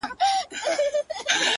o پر ښايستوكو سترگو؛